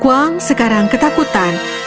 kuang sekarang ketakutan